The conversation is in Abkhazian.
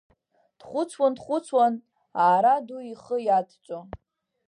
Дхәыцуан, дхәыцуан, аара ду ихы иадҵо.